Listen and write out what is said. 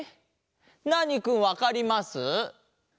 ナーニくんわかります？